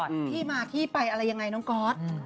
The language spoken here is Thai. ที่มาที่ไปอะไรยังไงน้องก๊อต